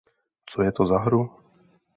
Co je to za hru?